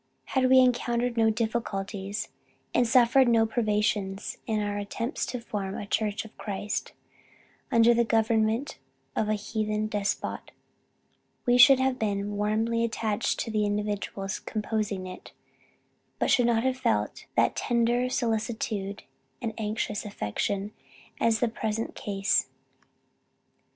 Had we encountered no difficulties, and suffered no privations in our attempts to form a Church of Christ, under the government of a heathen despot, we should have been warmly attached to the individuals composing it, but should not have felt that tender solicitude and anxious affection, as in the present case.